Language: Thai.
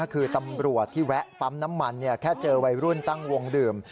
คือตำรวจที่แวะปั๊มน้ำมันแค่เจอวัยรุ่นตั้งวงดื่ม